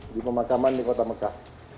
di pemakaman di kota mekah